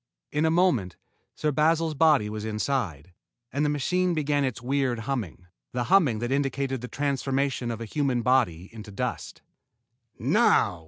In a moment, Sir Basil's body was inside, and the machine began its weird humming, the humming that indicated the transformation of a human body into dust. "Now!"